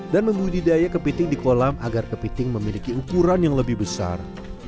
dan membudidayakan kepiting di kolam agar kepiting memiliki ukuran yang lebih besar